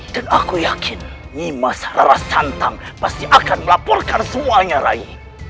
dan aku yakin nimas harasantang pasti akan melaporkan semuanya rai